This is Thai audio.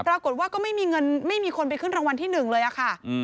ปรากฏว่าก็ไม่มีคนไปขึ้นรางวัลที่หนึ่งเลยค่ะ